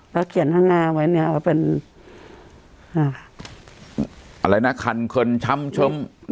เขาเขียนข้างหน้าไว้เนี่ยว่าเป็นอ่าอะไรนะคันเขินช้ำช้ำ